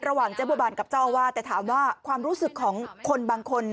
ระหว่างเจ้าอวาดกับเจ้าอวาดแต่ถามว่าความรู้สึกของคนบางคน